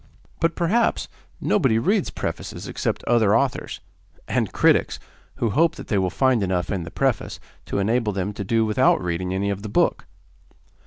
But, perhaps, nobody reads prefaces except other authors; and critics, who hope that they will find enough in the preface to enable them to do without reading any of the book.